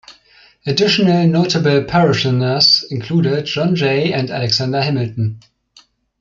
Additional notable parishioners included John Jay and Alexander Hamilton.